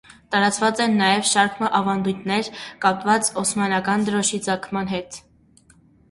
Տարածուած են նաեւ շարք մը աւանդութիւններ՝ կապուած օսմանեան դրօշի ծագման հետ։